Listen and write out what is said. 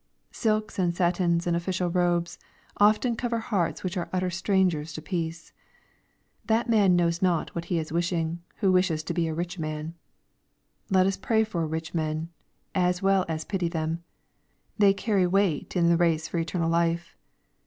Silks and satins and official robes, often cover hearts which are utter Btrangera to peace. That man knows not what he is wishing, who wishes to be a rich man. — Let us pray for rich men, as well as pity them. They carry weight in the race for eternal life.